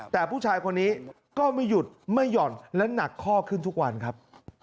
แต่ผู้ชายคนนี้ก็ไม่หยุดไม่หย่อนและหนักข้อขึ้นทุกวันครับ